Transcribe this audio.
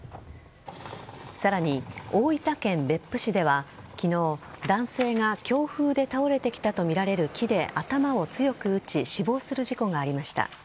さらに、大分県別府市では昨日、男性が強風で倒れてきたとみられる木で頭を強く打ち死亡する事故がありました。